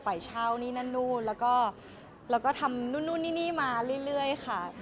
ไปเช่านี่นั่นนู่นแล้วก็ทำนู่นนี่มาเรื่อยค่ะ